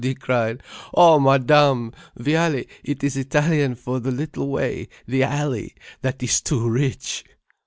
he cried. "Oh Madame! Viale, it is Italian for the little way, the alley. That is too rich."